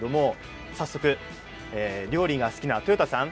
早速、料理が好きな豊田さん